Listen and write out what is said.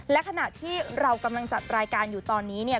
และขณะที่เรากำลังจัดรายการอยู่ตอนนี้เนี่ย